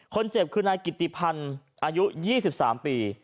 คนเจ็บคือนายกิติพันธ์อายุ๒๓ปี